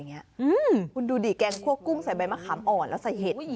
คุณดูดิแกงคั่วกุ้งใส่ใบมะขามอ่อนแล้วใส่เห็ด